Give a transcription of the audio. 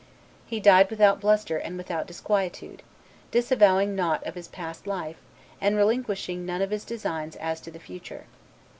He died without bluster and without disquietude, disavowing nought of his past life, and relinquishing none of his designs as to the future.